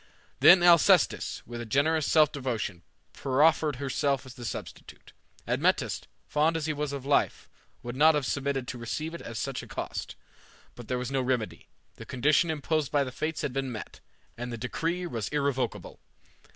Then Alcestis, with a generous self devotion, proffered herself as the substitute. Admetus, fond as he was of life, would not have submitted to receive it at such a cost; but there was no remedy. The condition imposed by the Fates had been met, and the decree was irrevocable.